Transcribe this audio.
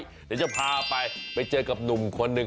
เดี๋ยวจะพาไปไปเจอกับหนุ่มคนหนึ่ง